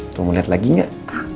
tunggu liat lagi gak